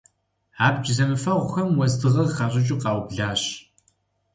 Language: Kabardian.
Абдж зэмыфэгъухэм уэздыгъэ къыхащӀыкӀыу къаублащ.